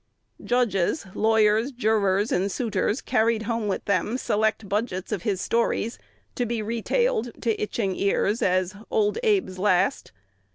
Judges, lawyers, jurors, and suitors carried home with them select budgets of his stories, to be retailed to itching ears as "Old Abe's last."